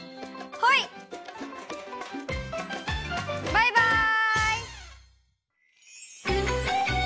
バイバイ！